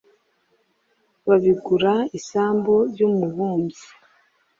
babigura isambu y umubumbyi